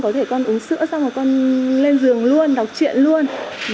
có thể con uống sữa xong rồi con lên giường luôn đọc chuyện luôn